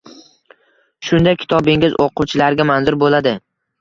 Shunda kitobingiz o‘quvchilarga manzur bo‘ladi.